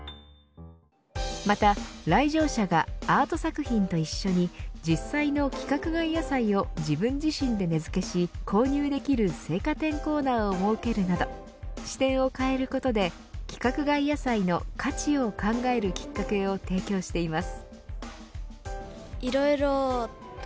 また、来場者がアート作品と一緒に実際の規格外野菜を自分自身で値付けし購入できる青果店コーナーを設けるなど視点を変えることで規格外野菜の価値を考えるきっかけを提供しています。